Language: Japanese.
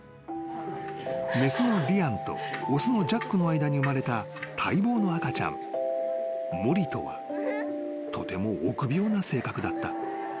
［雌のリアンと雄のジャックの間に生まれた待望の赤ちゃんモリトはとても臆病な性格だった］